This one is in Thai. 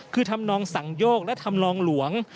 คือธรรมนองสังโยกและธรรมนองหลวง